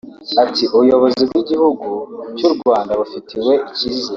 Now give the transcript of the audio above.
ati”ubuyobozi bw’igihugu cy’u Rwanda bufitiwe icyizere”